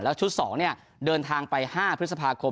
แล้วชุด๒เนี่ยเดินทางไป๕พฤษภาคม